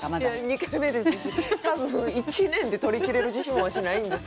２回目ですし多分１年で取りきれる自信もわしないんですけど。